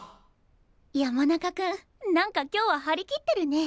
山中君何か今日は張り切ってるね！